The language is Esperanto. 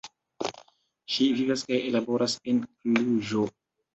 Ŝi vivas kaj laboras en Kluĵo.